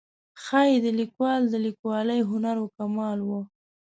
ښایي د لیکوال د لیکوالۍ هنر و کمال و.